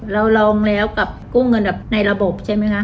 เราลองแล้วกับกู้เงินแบบในระบบใช่ไหมคะ